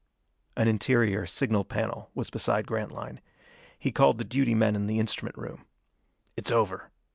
An interior signal panel was beside Grantline. He called the duty men in the instrument room. "It's over.